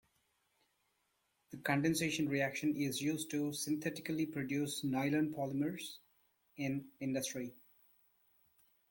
The condensation reaction is used to synthetically produce nylon polymers in industry.